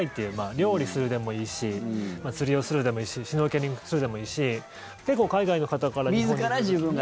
料理するでもいいし釣りをするでもいいしシュノーケリングするでもいいし結構、海外の方から日本に来る時に。